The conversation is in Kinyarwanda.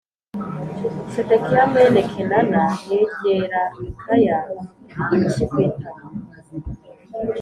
Sedekiya mwene kenana yegera mikaya amukubita urushyi ku itama